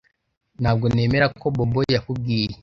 Ntabwo nemera ko Bobo yakubwiye